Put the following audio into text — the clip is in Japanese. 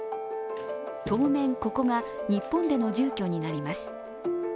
当面、ここが日本での住居になります。